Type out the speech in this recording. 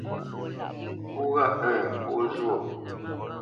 Pó ghâʼ ə̂ŋ pó zhwôʼ.